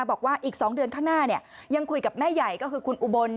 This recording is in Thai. บอกว่าอีก๒เดือนข้างหน้ายังคุยกับแม่ใหญ่ก็คือคุณอุบล